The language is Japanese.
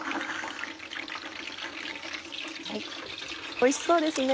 おいしそうですね。